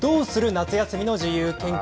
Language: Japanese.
夏休みの自由研究。